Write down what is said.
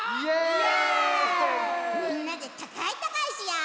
みんなでたかいたかいしよう！